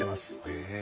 へえ。